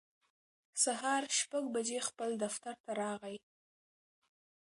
سهار شپږ بجې خپل دفتر راغی